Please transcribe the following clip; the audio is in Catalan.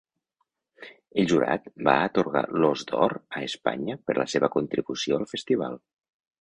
El jurat va atorgar l'Ós d'Or a Espanya per la seva contribució al festival.